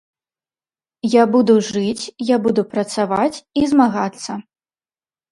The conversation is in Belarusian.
Я буду жыць, я буду працаваць і змагацца!